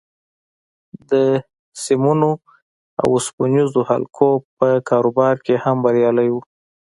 د سيمونو او اوسپنيزو حلقو په کاروبار کې هم بريالی و.